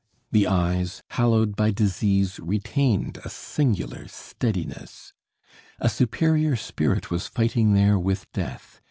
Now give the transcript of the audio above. The eyes, hallowed by disease, retained a singular steadiness. A superior spirit was fighting there with death.